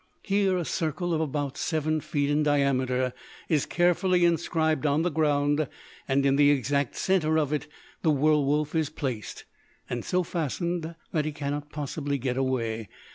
Here, a circle of about seven feet in diameter is carefully inscribed on the ground, and in the exact centre of it the werwolf is placed, and so fastened that he cannot possibly get away.